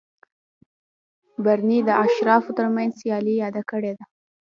برني د اشرافو ترمنځ سیالي یاده کړې ده.